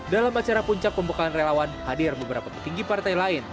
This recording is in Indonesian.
dalam acara puncak pembukaan relawan hadir beberapa petinggi partai lain